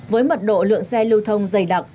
với mật độ lượng xe lưu thông dày đặc